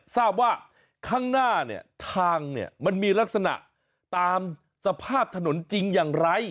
ทราบว่าข้างหน้าเนี่ยทางเนี่ยมันมีลักษณะตามสภาพถนนจริงอย่างไร